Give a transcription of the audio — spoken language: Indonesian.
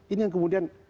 ini yang kemudian